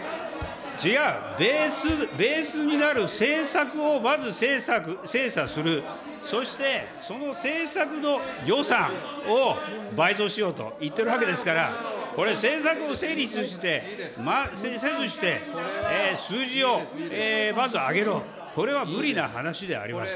じゃあ、ベースになる政策をまず精査する、そしてその政策の予算を倍増しようと言ってるわけですから、これ、政策を精査せずして、数字をまず挙げろ、これは無理な話であります。